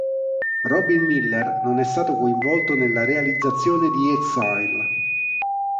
Robyn Miller non è stato coinvolto nella realizzazione di "Exile".